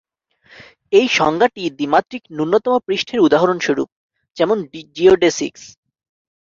এই সংজ্ঞা টি দ্বিমাত্রিক নূন্যতম পৃষ্ঠের উদাহরণ স্বরূপ যেমন জিওডেসিক্স।